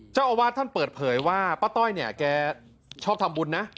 เจ้าอาวาสท่านเปิดเผยว่าป้าต้อยเนี่ยแกชอบทำบุญนะ